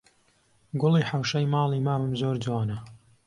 گوڵی حەوشەی ماڵی مامم زۆر جوانە